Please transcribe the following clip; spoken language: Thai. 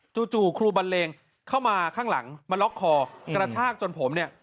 จู่ครูบันเลงเข้ามาข้างหลังมาล็อกคอกระชากจนผมเนี่ย